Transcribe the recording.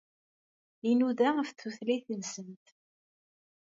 Inuda ɣef tutlayt-nsent.